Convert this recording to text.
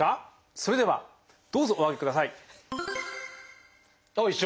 それではどうぞお上げください。一緒！